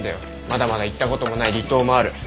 まだまだ行ったこともない離島もある。